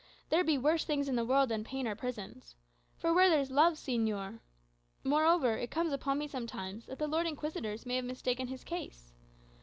There be worse things in the world than pain or prisons. For where there's love, señor Moreover, it comes upon me sometimes that the Lords Inquisitors may have mistaken his case.